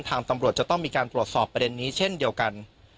ตำรวจจะต้องมีการตรวจสอบประเด็นนี้เช่นเดียวกัน